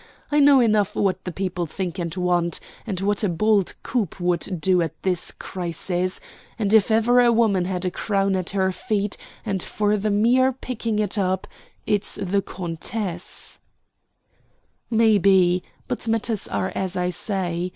I know enough what the people think and want, and what a bold coup would do at this crisis; and if ever a woman had a crown at her feet, and for the mere picking up, it's the countess." "Maybe; but matters are as I say.